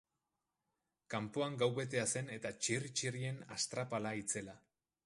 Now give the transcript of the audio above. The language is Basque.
Kanpoan gau betea zen eta txirri-txirrien astrapala itzela.